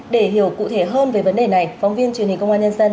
đây cũng là nội dung của góc nhìn chuyên gia ngày hôm nay